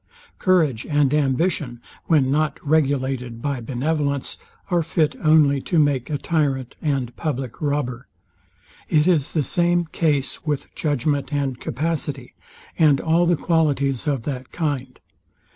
Courage and ambition, when not regulated by benevolence, are fit only to make a tyrant and public robber. It is the same case with judgment and capacity, and all the qualities of that kind.